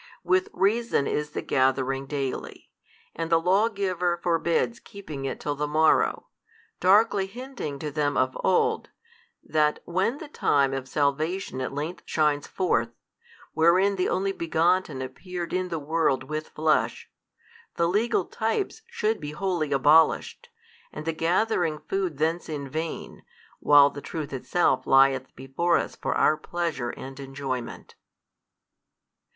With reason is the gathering daily, |367 and the lawgiver forbids keeping it till the morrow, darkly hinting to them of old, that when the time of salvation at length shines forth, wherein the Only Begotten appeared in the world with Flesh, the legal types should be wholly abolished, and the gathering food thence in vain, while the Truth Itself lieth before us for our pleasure and enjoyment.